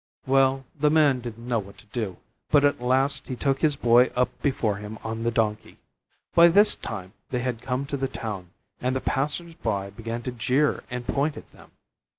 Well, the Man didn't know what to do, but at last he took his Boy up before him on the Donkey. By this time they had come to the town, and the passers by began to jeer and point at them.